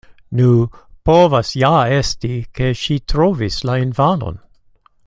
Nu, povas ja esti, ke ŝi trovis la infanon.